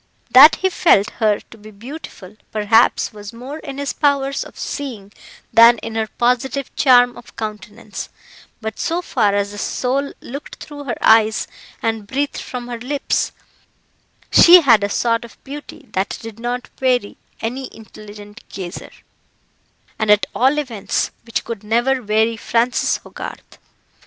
That he felt her to be beautiful, perhaps, was more in his powers of seeing than in her positive charm of countenance; but so far as the soul looked through her eyes and breathed from her lips, she had a sort of beauty that did not weary any intelligent gazer, and at all events, which could never weary Francis Hogarth.